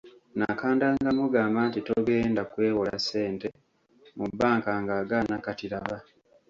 Nakandanga mugamba nti togenda kwewola ssente mu bbanka ng'agaana kati laba.